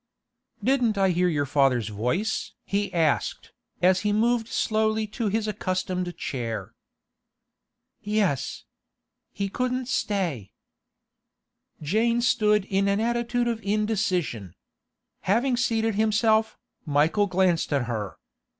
'Didn't I hear your father's voice?' he asked, as he moved slowly to his accustomed chair. 'Yes. He couldn't stay.' Jane stood in an attitude of indecision. Having seated himself, Michael glanced at her.